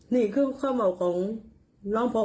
นี่คือข้อเหมาของรองพอเนอะ